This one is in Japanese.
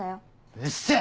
うっせぇ！